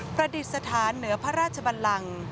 ประดิษฐานเหนือพระราชบันลัง